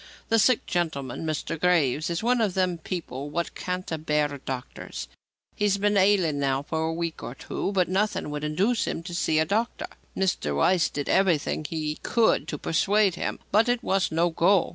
The sick gentleman, Mr. Graves, is one of them people what can't abear doctors. He's been ailing now for a week or two, but nothing would induce him to see a doctor. Mr. Weiss did everything he could to persuade him, but it was no go.